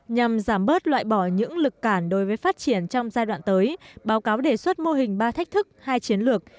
nhằm giảm bớt loại bỏ những lực cản đối với phát triển trong giai đoạn tới báo cáo đề xuất mô hình ba thách thức hai chiến lược